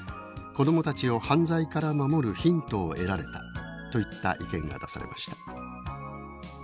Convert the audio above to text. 子どもたちを犯罪から守るヒントを得られた」といった意見が出されました。